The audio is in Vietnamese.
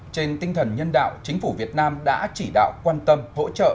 trên tinh thần nhân đạo chính phủ việt nam đã chỉ đạo quan tâm hỗ trợ